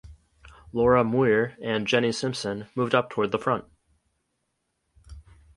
Laura Muir and Jenny Simpson moved up toward the front.